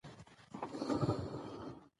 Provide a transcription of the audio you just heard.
علم د ژوند هدف څرګندوي.